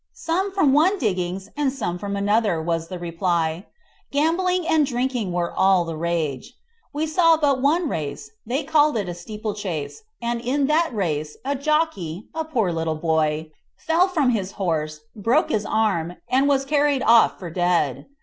"Some from one diggings and some from another," was the reply. Gambling and drinking were all the rage. We saw but one race, they called it a steeplechase, and in that race a jockey, a poor little boy, fell from his horse, broke his arm, and was carried off for dead.